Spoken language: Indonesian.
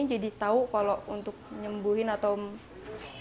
jadi tahu kalau untuk menyembuhin atau untuk memperbaiki